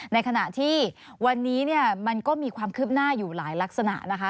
ในขณะที่วันนี้เนี่ยมันก็มีความคืบหน้าอยู่หลายลักษณะนะคะ